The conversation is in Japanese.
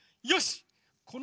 よし！